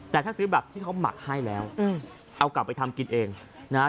แต่ถ้าซื้อแบบที่เขาหมักให้แล้วเอากลับไปทำกินเองนะฮะ